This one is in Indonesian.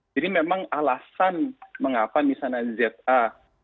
jadi memang alasan mengapa misalnya z a